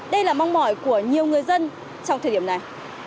đây là mong mỏi của nhiều người dân trong thời điểm này